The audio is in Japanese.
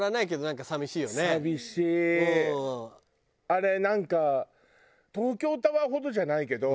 あれなんか東京タワーほどじゃないけど。